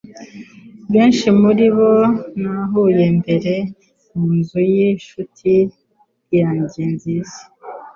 Benshi muribo nahuye mbere munzu yinshuti yanjye nziza,